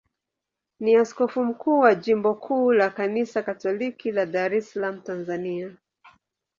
ni askofu mkuu wa jimbo kuu la Kanisa Katoliki la Dar es Salaam, Tanzania.